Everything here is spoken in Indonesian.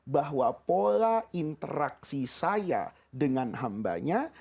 bahwa pola interaksi saya dengan hambanya